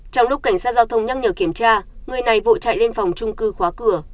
trong lúc cảnh sát giao thông nhắc nhở kiểm tra người này vụ chạy lên phòng trung cư khóa cửa